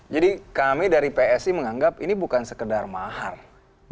jadi kami dari psi menganggap ini bukan sekedar mahal